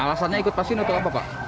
alasannya ikut pasin atau apa pak